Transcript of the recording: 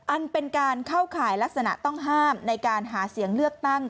อันเป็นการเข้าข่ายลักษณะต้องห้ามในการหาเสียงเลือกตั้ง